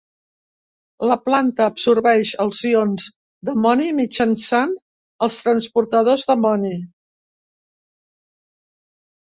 La planta absorbeix els ions d'amoni mitjançant els transportadors d'amoni.